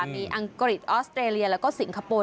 มีอังกฤษออสเตรเลียแล้วก็สิงคโปร์